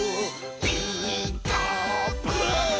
「ピーカーブ！」